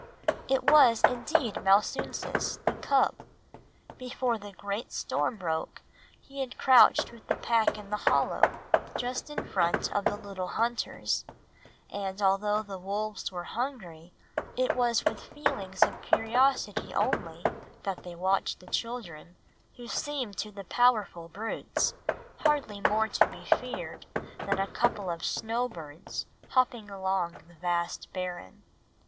It was indeed Malsunsis, the cub. Before the great storm broke he had crouched with the pack in the hollow just in front of the little hunters; and although the wolves were hungry, it was with feelings of curiosity only that they watched the children, who seemed to the powerful brutes hardly more to be feared than a couple of snowbirds hopping across the vast barren.